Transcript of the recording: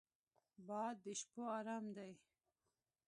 باد د شپو ارام دی